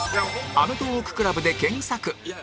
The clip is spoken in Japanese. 「アメトーーク ＣＬＵＢ」で検索